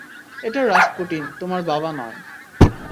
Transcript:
এটা রাসপুটিন, তোমার বাবা নয়।